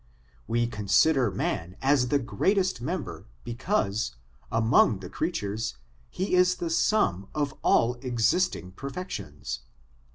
We consider man as the greatest member because, among the creatures, he is the sum of all existing perfections.